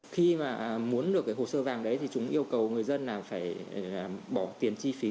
khi mà muốn được cái hồ sơ vàng đấy thì chúng yêu cầu người dân là phải bỏ tiền chi phí